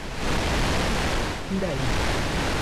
Pindaí